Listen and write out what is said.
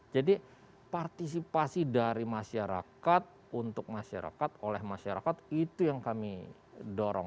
jadi partisipasi dari masyarakat untuk masyarakat oleh masyarakat itu yang kami dorong